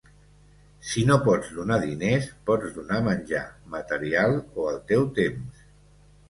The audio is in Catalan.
Si no pots donar diners, pots donar menjar, material o el teu temps.